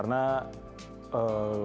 anya tidak eksklusif